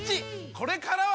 これからは！